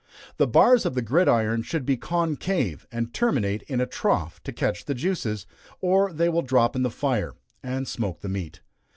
The bars of the gridiron should be concave, and terminate in a trough, to catch the juices, or they will drop in the fire and smoke the meat.